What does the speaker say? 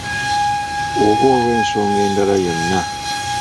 Oba olw’ensonga endala yonna.